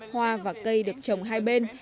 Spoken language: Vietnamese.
hoa và cây được trồng hai bên